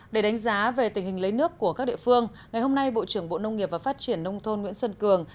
để đánh giá về tình hình lấy nước của các địa phương ngày hôm nay bộ trưởng bộ nông nghiệp và phát triển nông thôn nguyễn xuân cường